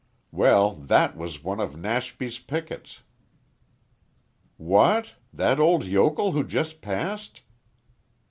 "Well that was one of Nashby's pickets." "What? That old yokel who just passed?"